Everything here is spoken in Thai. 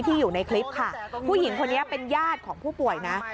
อยู่ในคลิปค่ะผู้หญิงคนนี้เป็นญาติของผู้ป่วยนะ